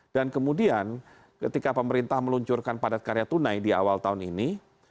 dan kemudian ketika pemerintah meluncurkan padat karya tunai di awal tahun ini